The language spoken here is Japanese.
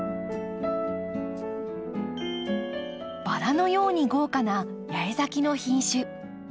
バラのように豪華な八重咲きの品種。